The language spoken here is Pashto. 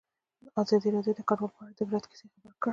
ازادي راډیو د کډوال په اړه د عبرت کیسې خبر کړي.